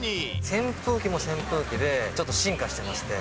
扇風機も扇風機で、ちょっと進化してまして。